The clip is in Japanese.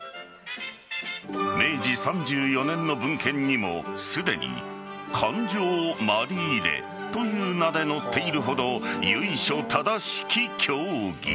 明治３４年の文献にも、すでに環状まり入れという名で載っているほど由緒正しき競技。